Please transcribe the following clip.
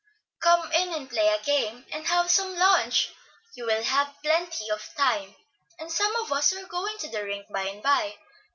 "Come in and play a game, and have some lunch. You will have plenty of time, and some of us are going to the rink by and by.